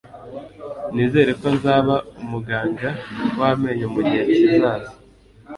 Nizere ko nzaba umuganga w amenyo mugihe kizaza.